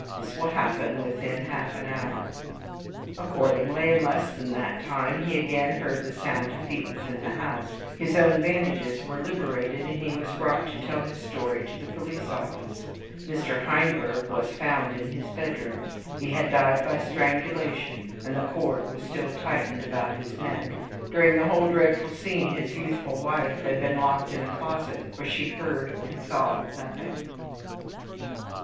This will happen within half an hour." Accordingly, in less than that time, he again heard the sound of feet within the house, his own bandages were liberated, and he was brought to tell his story at the police office. Mr. Heinberg was found in his bedroom. He had died by strangulation, and the cord was still tightened about his neck. During the whole dreadful scene his youthful wife had been locked into a closet, where she heard or saw nothing.